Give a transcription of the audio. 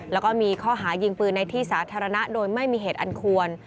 แล้วก็มีข้อหายิงปืนในที่สาธารณะโดยไม่มีเหตุอันควร